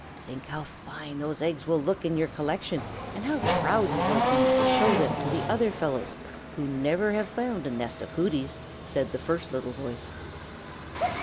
"Think how fine those eggs will look in your collection and how proud you will be to show them to the other fellows who never have found a nest of Hooty's," said the first little voice.